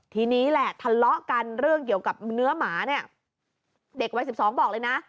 ทีนี้แหละทะเลาะกันเรื่องเกี่ยวกับเนื้อหมาเนี่ยเด็กวัยสิบสองบอกเลยนะ